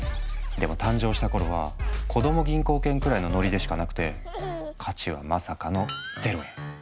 でも誕生した頃は「子供銀行券」くらいのノリでしかなくて価値はまさかの０円。